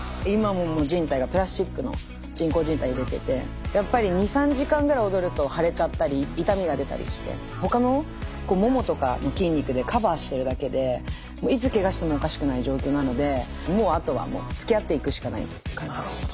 今も靭帯がプラスチックの人工靭帯入れててやっぱり２３時間ぐらい踊ると腫れちゃったり痛みが出たりして他のももとかの筋肉でカバーしてるだけでいつけがしてもおかしくない状況なのでもうあとはつきあっていくしかないっていう感じです。